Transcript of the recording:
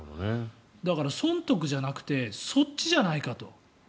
だから、損得じゃなくてそっちじゃないかと。